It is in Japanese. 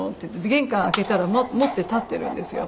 玄関開けたら持って立ってるんですよ。